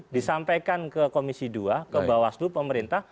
disampaikan ke komisi dua ke bawaslu pemerintah